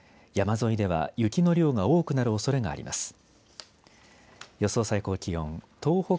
山沿いでは雪の量が多くなるおそれがあります。